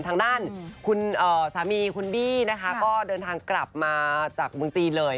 ทางด้านคุณสามีคุณบี้นะคะก็เดินทางกลับมาจากเมืองจีนเลย